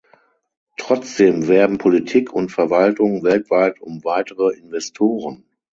Trotzdem werben Politik und Verwaltung weltweit um weitere Investoren.